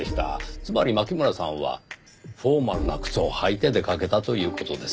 つまり牧村さんはフォーマルな靴を履いて出かけたという事です。